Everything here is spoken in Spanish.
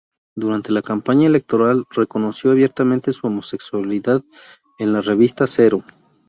Durante la campaña electoral reconoció abiertamente su homosexualidad en la revista "Zero".